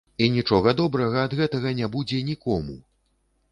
І нічога добрага ад гэтага не будзе нікому!